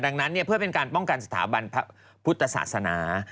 ดังนั้นเพื่อเป็นการป้องกันสถาบันพระพุทธศาสนา